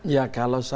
ya kalau saya